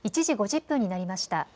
１時５０分になりました。